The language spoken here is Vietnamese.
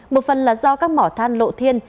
một phần là do các mỏ than lộ thiên